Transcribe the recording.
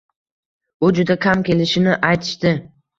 U juda kam kelishini aytishdi.